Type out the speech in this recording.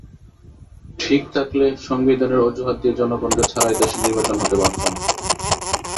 ঠিক থাকলে সংবিধানের অজুহাত দিয়ে জনগণকে ছাড়াই দেশে নির্বাচন হতে পারত না।